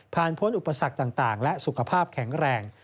พ้นอุปสรรคต่างและสุขภาพแข็งแรง